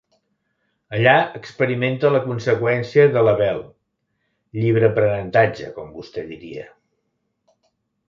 Allà experimenta la conseqüència de l'Abel "llibre-aprenentatge", com vostè diria.